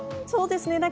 そうですね。